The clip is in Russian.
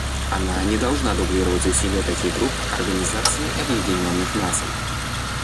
Она не должна дублировать усилия таких групп Организации Объединенных Наций.